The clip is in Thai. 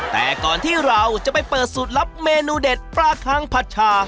แต่ก่อนที่เราจะไปเปิดสูตรลับเมนูเด็ดปลาคังผัดชา